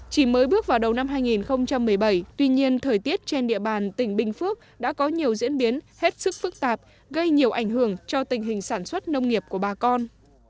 chỉ mới bước vào đầu năm hai nghìn một mươi bảy tuy nhiên thời tiết trên địa bàn tỉnh bình phước đã có nhiều diễn biến hết sức phức tạp gây nhiều ảnh hưởng cho tình hình sản xuất nông nghiệp của bà con